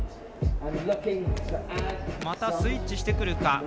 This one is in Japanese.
また、スイッチしてくるか。